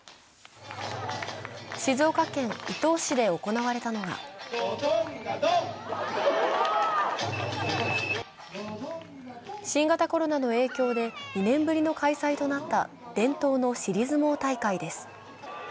静岡県伊東市で行われたのが新型コロナの影響で２年ぶりの開催となった伝統の尻相撲大会です。